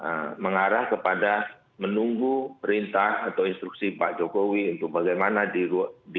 semuanya itu sekarang mengarah kepada menunggu perintah atau instruksi pak jokowi untuk bagaimana di dua ribu dua puluh empat